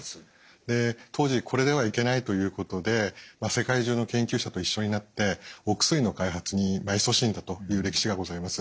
で当時これではいけないということで世界中の研究者と一緒になってお薬の開発にいそしんだという歴史がございます。